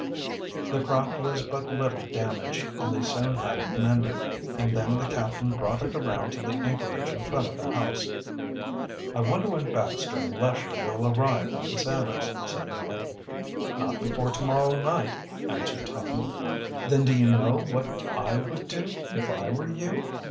The craft was but little damaged and they soon had it mended, and then the captain brought it around to the anchorage in front of the house. "I wonder when Baxter and Lesher will arrive with the sailors?" said Nellie. "Not before to morrow night," answered Tom. "Then do you know what I would do if I were you?"